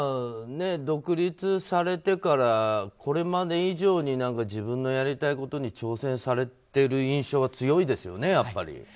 独立されてからこれまで以上に自分のやりたいことに挑戦されている印象が強いですよね、やっぱり。